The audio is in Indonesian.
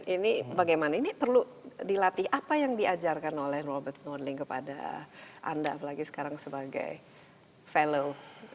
ini bagaimana ini perlu dilatih apa yang diajarkan oleh robert norling kepada anda apalagi sekarang sebagai fellow